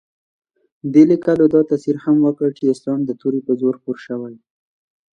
دې لیکوالو دا تاثر هم ورکړ چې اسلام د تورې په زور خپور شوی.